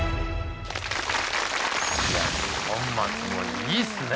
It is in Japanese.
いや二本松もいいっすね。